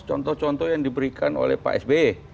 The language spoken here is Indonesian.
contoh contoh yang diberikan oleh pak sby